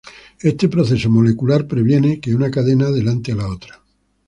Este proceso molecular previene que una cadena adelante a la otra.